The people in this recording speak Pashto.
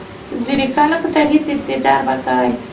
ځینو خلکو ته هیڅ انتظار مه کوئ.